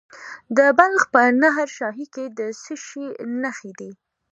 د بلخ په نهر شاهي کې د څه شي نښې دي؟